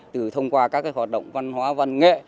từ thông qua các hoạt động văn hóa văn nghệ